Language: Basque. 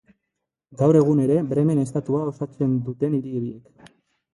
Gaur egun ere Bremen estatua osatzen dute hiri biek.